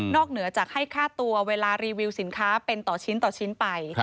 นอกเหนือจากให้ค่าตัวเวลารีวิวสินค้าเป็นต่อชิ้นไป